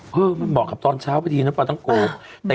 เออมันเหมาะกับตอนเช้าพอดีนะปลาท้องโกะ